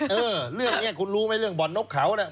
เออเรื่องนี้คุณรู้ไหมเรื่องบ่อนนกเขาน่ะ